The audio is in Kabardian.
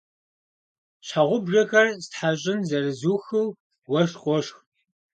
Щхьэгъубжэхэр стхьэщӏын зэрызухыу, уэшх къошх.